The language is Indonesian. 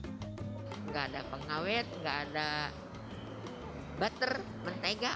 gak ada pengawet gak ada butter mentega